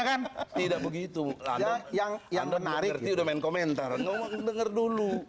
nggak gitu yang menarik